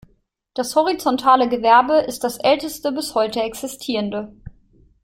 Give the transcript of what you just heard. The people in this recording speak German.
Das horizontale Gewerbe ist das älteste bis heute existierende.